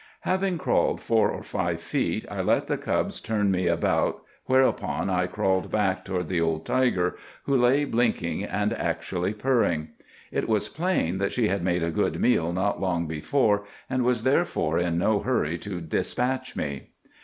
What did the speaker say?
"'Having crawled four or five feet, I let the cubs turn me about, whereupon I crawled back toward the old tiger, who lay blinking and actually purring. It was plain that she had made a good meal not long before, and was, therefore, in no hurry to despatch me.